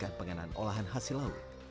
kamu kasih resep rahasia